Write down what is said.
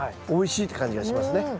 おいしいって感じがしますね。